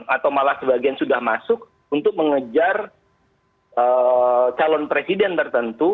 atau malah sebagian sudah masuk untuk mengejar calon presiden tertentu